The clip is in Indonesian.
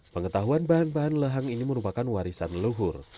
pengetahuan bahan bahan lehang ini merupakan warisan leluhur